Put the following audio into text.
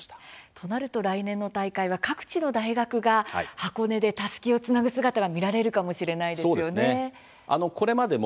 となると来年の大会は各地の大学が箱根駅伝でたすきをつなぐ姿が見られるかもしれないですね。